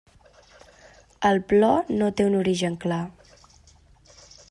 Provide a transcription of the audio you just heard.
El plor no té un origen clar.